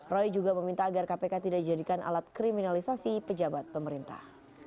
roy juga meminta agar kpk tidak dijadikan alat kriminalisasi pejabat pemerintah